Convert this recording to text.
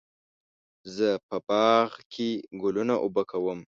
زه په باغ کې ګلونه اوبه کوم.